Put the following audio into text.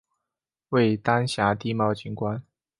为丹霞地貌景观。